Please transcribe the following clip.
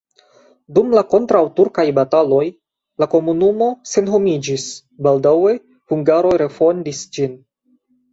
Dum la kontraŭturkaj bataloj la komunumo senhomiĝis, baldaŭe hungaroj refondis ĝin.